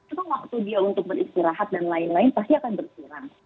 cuma waktu dia untuk beristirahat dan lain lain pasti akan berkurang